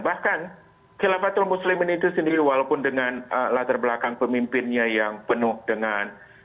bahkan khilafatul muslimin itu sendiri walaupun dengan latar belakang pemimpinnya yang penuh dengan